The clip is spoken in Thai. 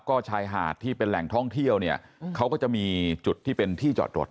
ก็ชายหาดที่เป็นแหล่งท่องเที่ยวเนี่ยเขาก็จะมีจุดที่เป็นที่จอดรถ